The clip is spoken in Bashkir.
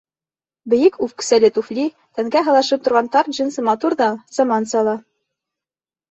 Бейек үксәле туфли, тәнгә һылашып торған тар джинсы матур ҙа, заманса ла.